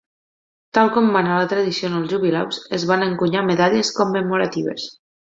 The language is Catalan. Tal com mana la tradició en els jubileus, es van encunyar medalles commemoratives.